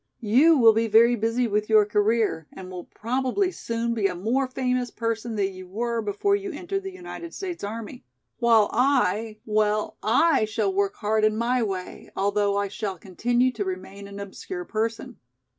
You will be very busy with your career and will probably soon be a more famous person than you were before you entered the United States army, while I, well I shall work hard in my way, although I shall continue to remain an obscure person."